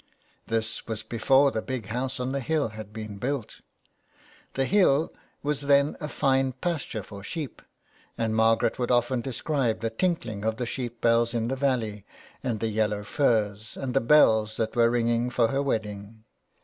This was be fore the Big House on the hill had been built. The hill was then a fine pasture for sheep, and Margaret would often describe the tinkling of the sheep bells in the valley, and the yellow furze, and the bells that were ringing for her wedding.